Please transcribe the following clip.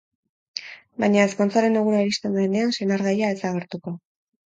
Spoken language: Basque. Baina, ezkontzaren eguna iristen denean, senargaia ez da agertuko.